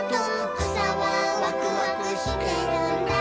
「くさはワクワクしてるんだ」